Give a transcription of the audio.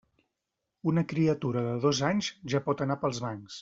Una criatura de dos anys, ja pot anar pels bancs.